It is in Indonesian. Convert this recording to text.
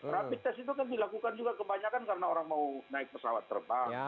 rapid test itu kan dilakukan juga kebanyakan karena orang mau naik pesawat terbang